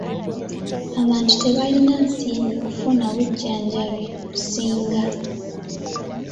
Abantu tebalina nsimbi kufuna bujjanjabi businga.